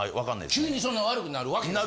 急にそんな悪くなる訳がない？